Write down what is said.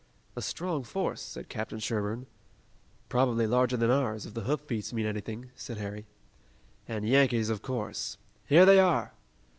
"A strong force," said Captain Sherburne. "Probably larger than ours, if the hoofbeats mean anything," said Harry. "And Yankees, of course. Here they are!"